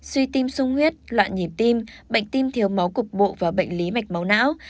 suy tim sung huyết loạn nhịp tim bệnh tim thiếu máu cục bộ và bệnh lý mạch máu não